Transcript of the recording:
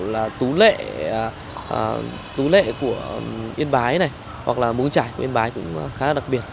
lệ tú lệ của yên bái này hoặc là mướng trải của yên bái cũng khá là đặc biệt